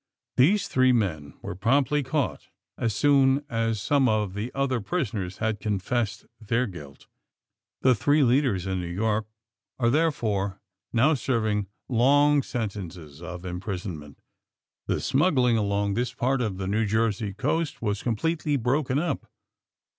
These three men were promptly caught as soon as some of the other prisoners had confessed their guilt. The three leaders in New York are therefore now serving long sentences of imprisonment. 246 THE SUBMAKINE BOYS The smuggling along this part of the New Jersey coast was completely broken up.